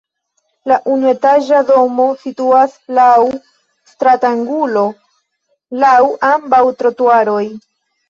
La unuetaĝa domo situas laŭ stratangulo laŭ ambaŭ trotuaroj.